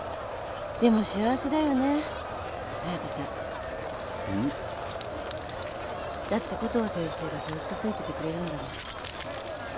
でも幸せだよね彩佳ちゃん。うん？だってコトー先生がずーっとついててくれるんだもん。